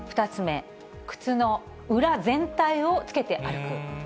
２つ目、靴の裏全体をつけて歩く。